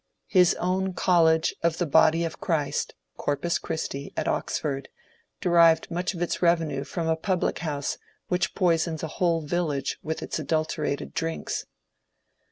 His own college of '^ the Body of Christ,'* Corpus Christi, at Ox ford, derived much of its revenue from a public house which poisons a whole village with its adulterated drinks.